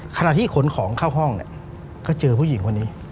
ขณะที่ขนของเข้าห้องก็เจอผู้หญิงคนนี้